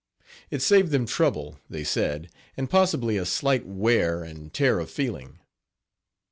It saved them trouble, they said, and possibly a slight wear and tear of feeling.